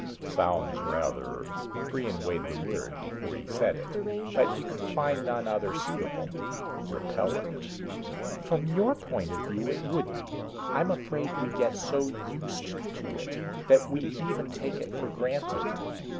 "Sounds rather" Brion weighed the word before he said it, but could find none other suitable "repellent." "From your point of view, it would be. I'm afraid we get so used to it that we even take it for granted.